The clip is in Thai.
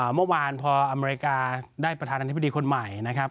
เมื่อวานพออเมริกาได้ประธานาธิบดีคนใหม่นะครับ